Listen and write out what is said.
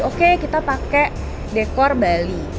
oke kita pakai dekor bali